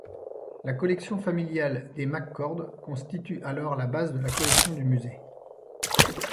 La collection familiale des McCord constitue alors la base de la collection du musée.